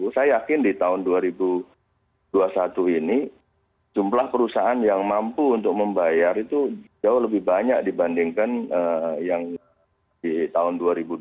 saya yakin di tahun dua ribu dua puluh satu ini jumlah perusahaan yang mampu untuk membayar itu jauh lebih banyak dibandingkan yang di tahun dua ribu dua puluh